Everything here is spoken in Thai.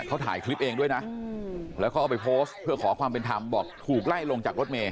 เขาถ่ายคลิปเองด้วยนะแล้วเขาเอาไปโพสต์เพื่อขอความเป็นธรรมบอกถูกไล่ลงจากรถเมย